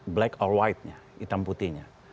black our white nya hitam putihnya